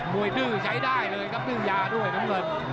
ยดื้อใช้ได้เลยครับดื้อยาด้วยน้ำเงิน